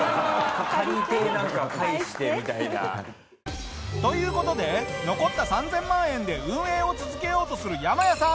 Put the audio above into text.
借りてなんか返してみたいな。という事で残った３０００万円で運営を続けようとするヤマヤさん。